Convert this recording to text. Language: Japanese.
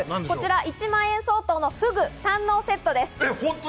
こちら、１万円相当のフグ堪能セットです。